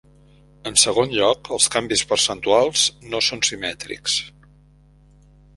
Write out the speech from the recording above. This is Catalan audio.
En segon lloc, els canvis percentuals no són simètrics.